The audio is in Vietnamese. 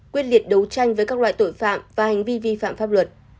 quyết liệt đấu tranh với các loại tội phạm và hành vi vi phạm pháp luật